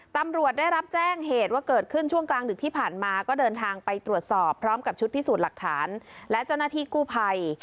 ตำรวจได้รับแจ้งเหตุว่าเกิดขึ้นช่วงกลางดึกที่ผ่านมาก็เดินทางไปตรวจสอบพร้อมกับชุดพิสูจน์หลักฐานและเจ้าหน้าที่กู้ภัย